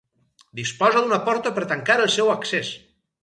Disposa d'una porta per tancar el seu accés.